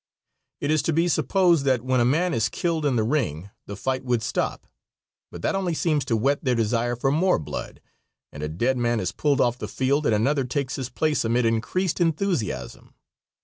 It is to be supposed that when a man is killed in the ring the fight would stop, but that only seems to whet their desire for more blood, and a dead man is pulled off the field and another takes his place amid increased enthusiasm.